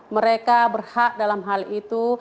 mereka berhak dalam hal itu